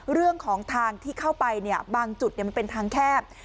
เรื่องของทางที่เข้าไปบางจุดมันเป็นทางแคบ